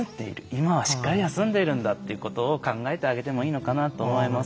今はしっかり休んでいるんだということを考えてあげてもいいかなと思います。